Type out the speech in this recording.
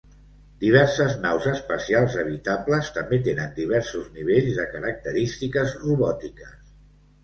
Diverses naus espacials habitables també tenen diversos nivells de característiques robòtiques.